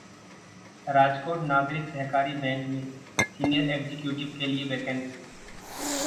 Rajkot Nagarik Sahakari bank में senior executive के लिए वैकेंसी